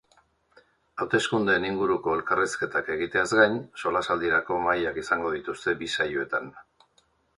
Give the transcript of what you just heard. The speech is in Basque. Hauteskundeen inguruko elkarrizketak egiteaz gain, solasaldirako mahaiak izango dituzte bi saioetan.